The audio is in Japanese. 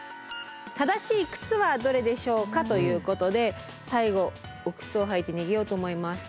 「正しい靴はどれでしょうか？」ということで最後お靴を履いて逃げようと思います。